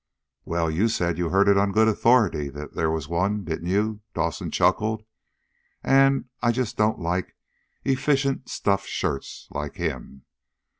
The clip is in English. "Well, you said you heard on good authority that there was one, didn't you?" Dawson chuckled. "And, I just don't like efficient stuffed shirts like him.